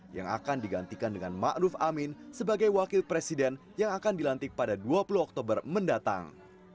yang akan digantikan dengan ⁇ maruf ⁇ amin sebagai wakil presiden yang akan dilantik pada dua puluh oktober mendatang